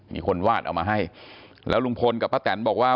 มีคนวาดเอามาให้แล้วลุงพลกับป้าแตนบอกว่า